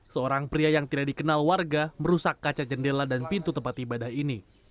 seorang pria yang tidak dikenal warga merusak kaca jendela dan pintu tempat ibadah ini